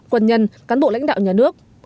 quân nhân cán bộ lãnh đạo nhà nước